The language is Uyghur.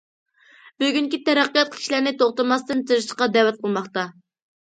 بۈگۈنكى تەرەققىيات كىشىلەرنى توختىماستىن تىرىشىشقا دەۋەت قىلماقتا.